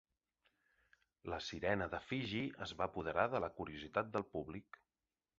La sirena de Fiji es va apoderar de la curiositat del públic.